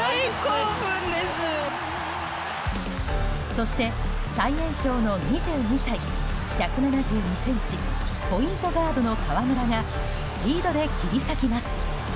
そして最年少の２２歳１７２ｃｍ、ポイントガードの河村がスピードで切り裂きます。